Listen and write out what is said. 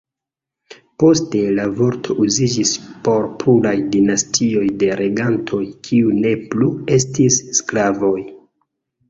Poste la vorto uziĝis por pluraj dinastioj de regantoj, kiuj ne plu estis sklavoj.